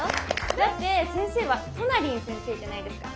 だって先生はトナりん先生じゃないですか。